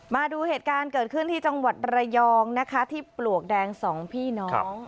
มาดูเหตุการณ์เกิดขึ้นที่จังหวัดระยองนะคะที่ปลวกแดงสองพี่น้อง